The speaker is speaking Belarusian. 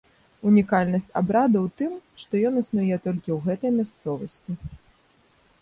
Унікальнасць абраду ў тым, што ён існуе толькі ў гэтай мясцовасці.